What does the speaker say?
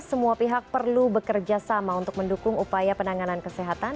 semua pihak perlu bekerja sama untuk mendukung upaya penanganan kesehatan